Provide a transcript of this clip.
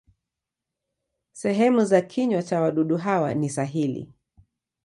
Sehemu za kinywa za wadudu hawa ni sahili.